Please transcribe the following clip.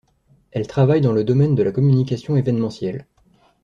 Elle travaille dans le domaine de la communication évènementielle.